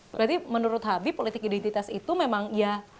berarti menurut habib politik identitas itu memang ya